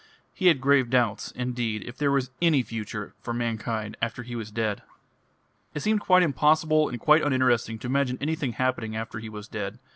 He had grave doubts, indeed, if there was any future for mankind after he was dead. It seemed quite impossible and quite uninteresting to imagine anything happening after he was dead.